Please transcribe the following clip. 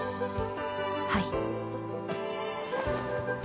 はい。